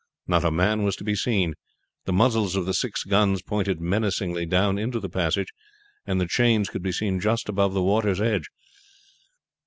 Not a man was to be seen. The muzzles of the six guns pointed menacingly down into the passage, and the chains could be seen just above the water's edge.